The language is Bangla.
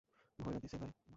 ভইরা দিসে, ভাই।